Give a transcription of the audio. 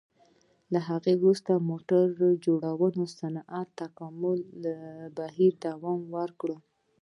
له هغه وروسته د موټر جوړونې صنعت د تکامل بهیر دوام وکړ.